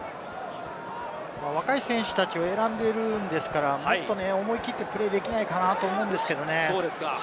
若い選手たちを選んでいるんですから、もっと思い切ってプレーできないかなと思うんですけれどもね。